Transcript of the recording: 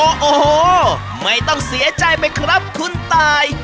โอ้โหไม่ต้องเสียใจไปครับคุณตาย